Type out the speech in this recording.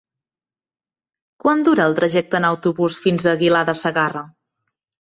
Quant dura el trajecte en autobús fins a Aguilar de Segarra?